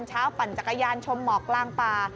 เช้าปั่นจักรยานชมหมอกล่างป่า